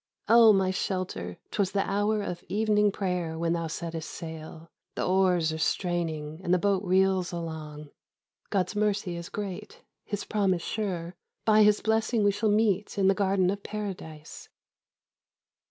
Oh, my shelter! 'twas the hour of evening prayer when thou settest sail; The oars are straining and the boat reels along. God's mercy is great, His promise sure; By His blessing we shall meet in the Garden of Paradise.